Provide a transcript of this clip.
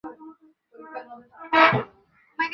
নিসার আলি অনেকক্ষণ দাঁড়িয়ে রইলেন।